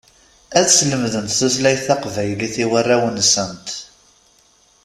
Ad slemdent tutlayt taqbaylit i warraw-nsent.